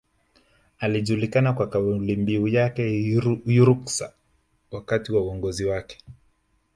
Alijulikana kwa kaulimbiu yake ya Ruksa wakati wa uongozi wake